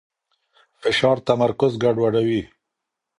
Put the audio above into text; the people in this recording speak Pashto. فشار تمرکز ګډوډوي.